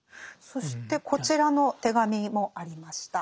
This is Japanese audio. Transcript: そしてこちらの手紙もありました。